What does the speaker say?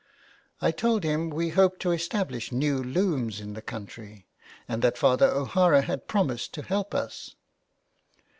I told him we hoped to establish new looms in the country, and that Father O'Hara had promised to help us.